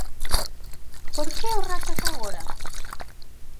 Por que o rachas agora?